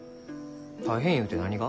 大変ゆうて何が？